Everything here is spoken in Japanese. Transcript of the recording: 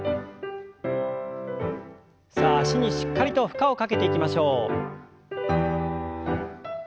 さあ脚にしっかりと負荷をかけていきましょう。